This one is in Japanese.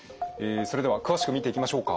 それでは詳しく見ていきましょうか。